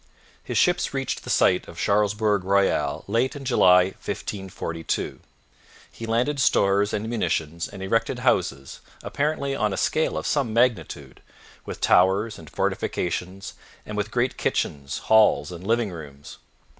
His ships reached the site of Charlesbourg Royal late in July 1542. He landed stores and munitions and erected houses, apparently on a scale of some magnitude, with towers and fortifications and with great kitchens, halls, and living rooms.